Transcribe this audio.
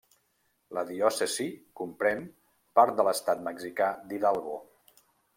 La diòcesi comprèn part de l'estat mexicà d'Hidalgo.